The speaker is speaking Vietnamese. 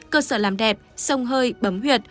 cơ sở làm đẹp sông hơi bấm huyệt